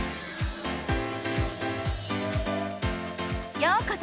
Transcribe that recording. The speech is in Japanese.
ようこそ！